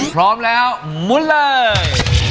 พร้อมแล้วมุนเลย